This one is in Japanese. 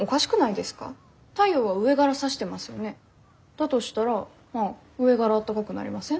だとしたら上がら温かくなりません？